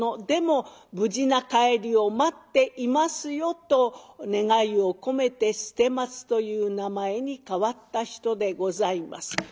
でも無事な帰りを待っていますよ」と願いを込めて捨松という名前に替わった人でございます。